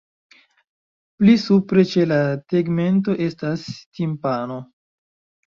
Pli supre ĉe la tegmento estas timpano.